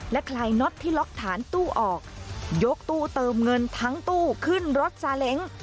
คลายน็อตที่ล็อกฐานตู้ออกยกตู้เติมเงินทั้งตู้ขึ้นรถซาเล้ง